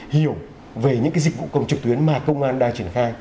hiểu về những dịch vụ công trực tuyến mà công an đang triển khai